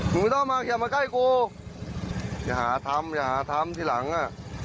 ไม่ต้องมาอย่ามาใกล้กูอย่าหาทำอย่าหาทำทีหลังอ่ะ